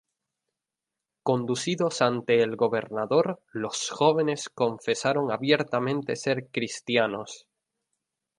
Conducidos ante el gobernador, los jóvenes confesaron abiertamente ser cristianos.